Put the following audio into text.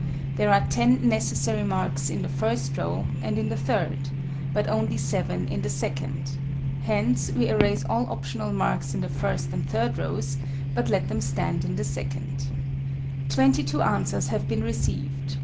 There are 10 necessary marks in the 1st row, and in the 3rd; but only 7 in the 2nd. Hence we erase all optional marks in the 1st and 3rd rows, but let them stand in the 2nd. Twenty two answers have been received.